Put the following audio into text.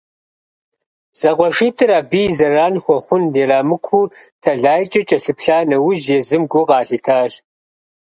Зэкъуэшитӏыр абы зэран хуэхъун ирамыкуу тэлайкӏэ кӏэлъыплъа нэужь, езым гу къалъитащ.